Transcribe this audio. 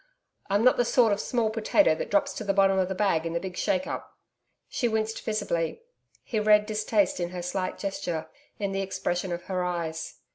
I'm not the sort of small potato that drops to the bottom of the bag in the big shake up.' She winced visibly. He read distaste in her slight gesture, in the expression of her eyes.